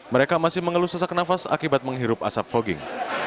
mereka masih mengeluh sesak nafas akibat menghirup asap fogging